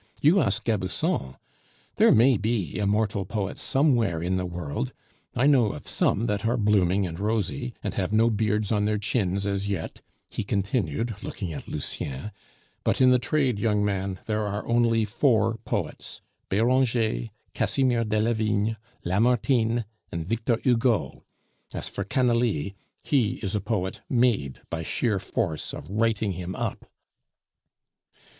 You ask Gabusson! There may be immortal poets somewhere in the world; I know of some that are blooming and rosy, and have no beards on their chins as yet," he continued, looking at Lucien; "but in the trade, young man, there are only four poets Beranger, Casimir Delavigne, Lamartine, and Victor Hugo; as for Canalis he is a poet made by sheer force of writing him up."